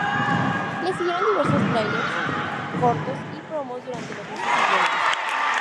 Le siguieron diversos tráileres cortos y promos durante los meses siguientes.